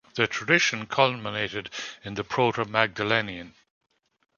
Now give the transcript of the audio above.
The tradition culminated in the proto-Magdalenian.